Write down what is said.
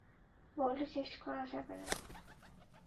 বলে শেষ করা যাবে না।